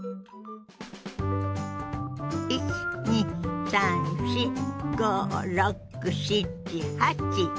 １２３４５６７８。